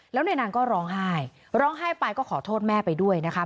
แล้วนายนางก็ร้องไห้ร้องไห้ไปก็ขอโทษแม่ไปด้วยนะคะ